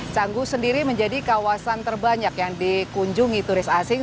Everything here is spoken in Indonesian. canggu sendiri menjadi kawasan terbanyak yang dikunjungi turis asing